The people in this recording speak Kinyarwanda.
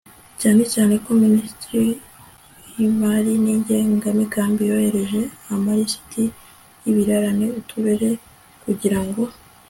cyane cyane ko Minisiteri y Imari n Igenamigambi yoherereje amalisiti y ibirarane Uturere kugira ngo